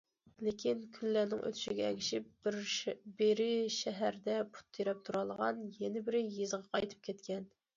لېكىن كۈنلەرنىڭ ئۆتۈشىگە ئەگىشىپ، بىرى شەھەردە پۇت تىرەپ تۇرالىغان، يەنە بىرى يېزىغا قايتىپ كەتكەن.